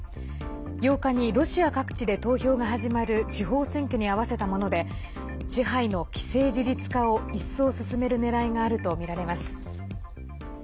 ８日にロシア各地で投票が始まる知事などの地方選挙に合わせたもので支配の既成事実化を一層進めるねらいがあるとみられます。